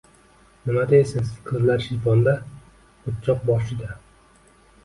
Nima deysiz? Qizlar shiyponda, oʻchoqboshida.